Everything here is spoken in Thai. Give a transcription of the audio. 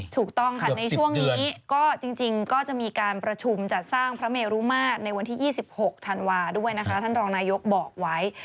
ถูกต้องค่ะในช่วงนี้ก็จริงก็จะมีการประชุมจัดสร้างพระเมรุมาตรในวันที่๒๖ธันวาด้วยนะคะท่านรองนายกบอกไว้